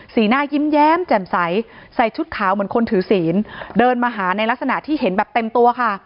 สีหน้ายิ้มแย้มแจ่มใสใส่ชุดขาวเหมือนคนถือศีลเดินมาหาในลักษณะที่เห็นแบบเต็มตัวค่ะ